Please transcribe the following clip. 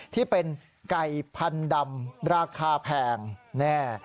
ที่เป็นไก่พันธุ์ดำราคาแพงแน่